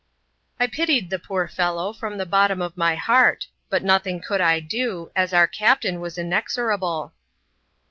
I pitied the poor fellow from the bottom of my heart ; but nothing could I do, as our captain was inexorable.